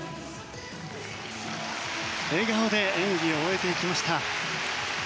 笑顔で演技を終えていきました。